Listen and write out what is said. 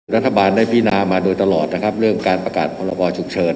รัฐบาลได้พินามาโดยตลอดนะครับเรื่องการประกาศพรกรฉุกเฉิน